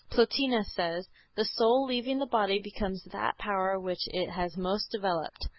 Plotinus says: "The soul leaving the body becomes that power which it has most developed.